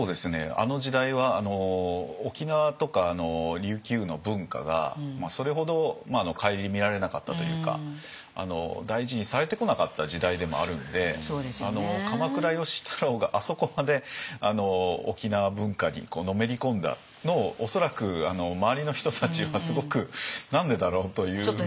あの時代は沖縄とか琉球の文化がそれほど顧みられなかったというか大事にされてこなかった時代でもあるので鎌倉芳太郎があそこまで沖縄文化にのめり込んだのを恐らく周りの人たちはすごく何でだろう？というふうな。